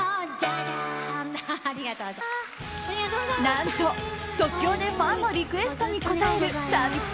何と即興でファンのリクエストに応えるサービス